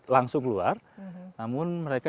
langsung keluar namun mereka